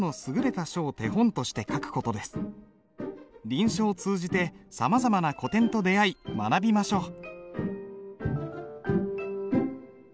臨書を通じてさまざまな古典と出会い学びましょう。